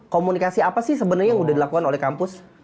komunikasi apa sih sebenarnya yang udah dilakukan oleh kampus